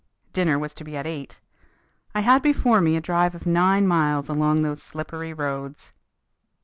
Dinner was to be at eight. I had before me a drive of nine miles along those slippery roads.